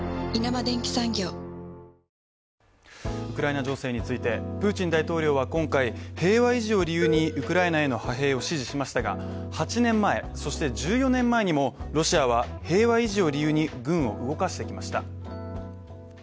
ウクライナ情勢について、プーチン大統領は今回、平和維持を理由にウクライナへの派兵を指示しましたが８年前、そして１４年前にもロシアは平和維持を理由に軍を動かしてきました。